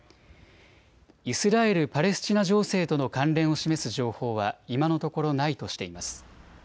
イスラエル・パレスチナ情勢との関連を示す情報は今のところないとしています。